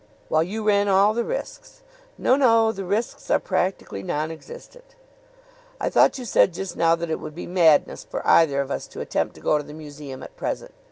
"While you ran all the risks?" "No, no. The risks are practically nonexistent." "I thought you said just now that it would be madness for either of us to attempt to go to the museum at present."